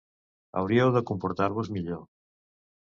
Hauríeu de comportar-vos millor.